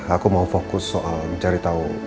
aku mau fokus soal mencari tahu